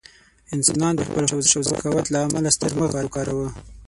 انسانان د خپل هوښ او ذکاوت له امله ستر مغز وکاروه.